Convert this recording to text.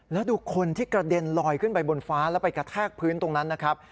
แล้วดูคนที่กระเด็นลอยขึ้นไปบนฟ้าแล้วไปกระแทกพื้นตรงนั้นนะครับ